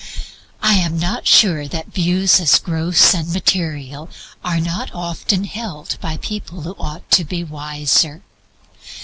I am not sure that views as gross and material are not often held by people who ought to be wiser.